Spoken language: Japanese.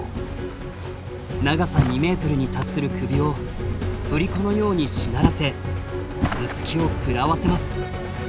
長さ２ｍに達する首を振り子のようにしならせ頭突きを食らわせます！